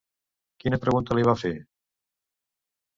Quina pregunta li va fer?